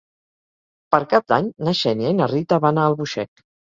Per Cap d'Any na Xènia i na Rita van a Albuixec.